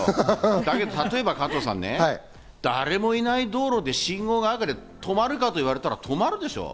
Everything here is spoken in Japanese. だけど、例えば誰もいない道路で信号が赤で止まるかと言われたら、止まるでしょう？